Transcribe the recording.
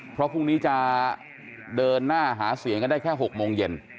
เพราะพรุ่งนี้จะเดินหน้าหาเสียงกันได้แค่๖โมงเย็น